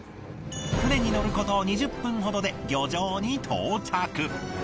船に乗ること２０分ほどで漁場に到着。